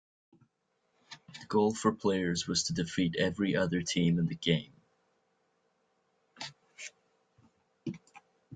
The goal for players was to defeat every other team in the game.